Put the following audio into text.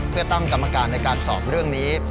เพื่อตั้งกรรมการในการสอบเรื่องนี้